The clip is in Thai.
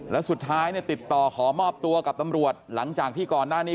แล้วสุดท้ายเนี่ยติดต่อขอมอบตัวกับตำรวจหลังจากที่ก่อนหน้านี้